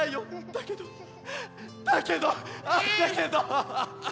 だけどだけどああだけど。